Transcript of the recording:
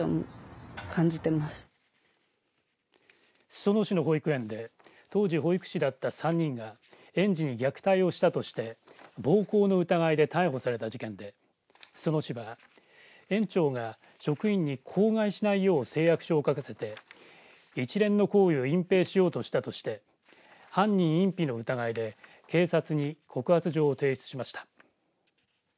裾野市の保育園で当時、保育士だった３人が園児に虐待をしたとして暴行の疑いで逮捕された事件で裾野市は園長が職員に口外しないよう誓約書を書かせて一連の行為を隠蔽しようとしたとして犯人隠避の疑いで警察に告発状を提出しました。